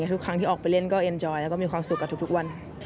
ทุกครั้งที่ออกไปเล่นก็เอ็นจอยแล้วก็มีความสุขกับทุกวัน